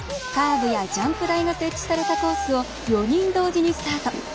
カーブやジャンプ台が設置されたコースを４人同時にスタート。